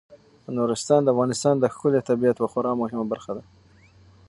نورستان د افغانستان د ښکلي طبیعت یوه خورا مهمه برخه ده.